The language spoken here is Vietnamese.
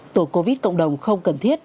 tổ covid cộng đồng không cần thiết